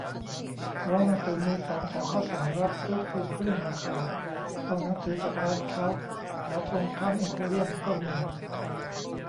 ร้านหนังสือมือสองแถวข้าวสาร รับซื้อคืนครึ่งราคา ต้องหนังสือจากร้านเค้า แถวตรงข้ามเอ็มโพเรียมก็มี